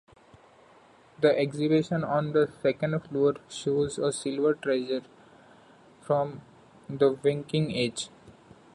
The exhibition on the second floor shows a silver treasure from the Viking age.